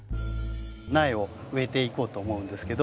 苗を植えていこうと思うんですけど。